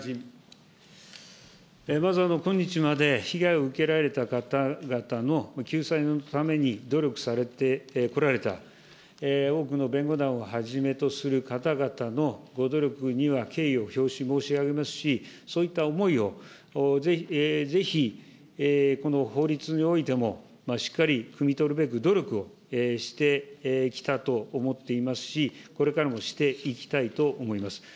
まず、今日まで被害を受けられた方々の救済のために努力されてこられた多くの弁護団をはじめとする方々のご努力には敬意を表し申し上げますし、そういった思いをぜひこの法律においても、しっかりくみ取るべく、努力をしてきたと思っていますし、これからもしていきたいと思います。